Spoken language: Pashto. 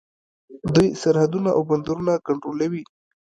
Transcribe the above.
دوی سرحدونه او بندرونه کنټرولوي.